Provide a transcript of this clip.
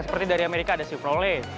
seperti dari amerika ada sikrole